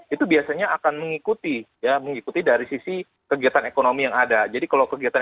itu biasanya akan mengikuti ya mengikuti dari sisi kegiatan ekonomi yang ada jadi kalau kegiatan